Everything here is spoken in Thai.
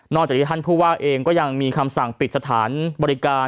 จากที่ท่านผู้ว่าเองก็ยังมีคำสั่งปิดสถานบริการ